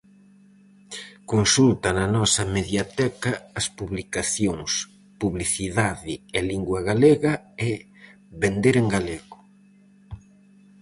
Consulta na nosa mediateca as publicacións Publicidade e lingua galega e Vender en galego.